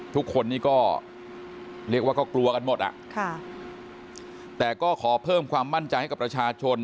ทุกคนนี้ก็เรียกว่าก็กลัวกันหมดอ่ะค่ะแต่ก็ขอเพิ่มความมั่นใจให้กับประชาชน